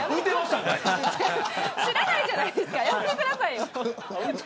知らないじゃないですかやめてください。